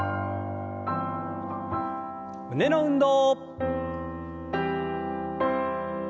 胸の運動。